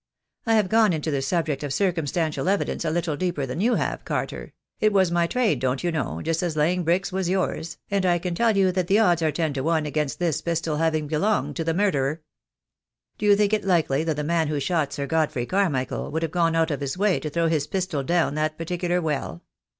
I have gone into the subject of circum stantial evidence a little deeper than you have, Carter; it was my trade, don't you know, just as laying bricks was yours, and I can tell you that the odds are ten to one against this pistol having belonged to the murderer. Do you think it likely that the man who shot Sir God frey Carmichael would have gone out of his way to throw his pistol down that particular well?"